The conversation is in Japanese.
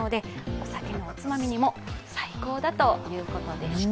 お酒のおつまみにも最高だということでした。